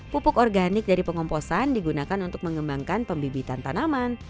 pupuk organik dari pengomposan digunakan untuk mengembangkan pembibitan tanaman